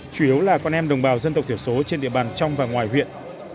chủ yếu là con em đồng bào dân tộc thiểu số trên địa bàn trong và ngoài huyện